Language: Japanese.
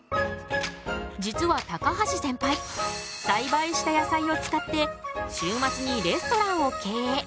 実は高橋センパイ栽培した野菜を使って週末にレストランを経営。